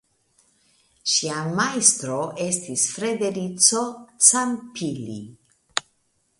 Ŝia majstro estis Federico Campilli.